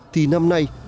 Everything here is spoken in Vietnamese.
thì năm nay